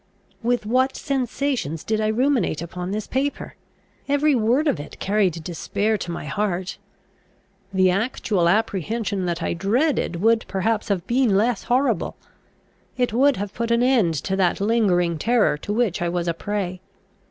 With what sensations did I ruminate upon this paper? Every word of it carried despair to my heart. The actual apprehension that I dreaded would perhaps have been less horrible. It would have put an end to that lingering terror to which I was a prey.